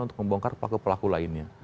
untuk membongkar pelaku pelaku lainnya